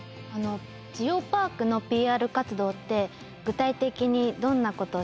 ジオパークのＰＲ活動って具体的にどんなことをしてるんですか？